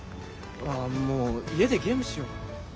ああもう家でゲームしよ。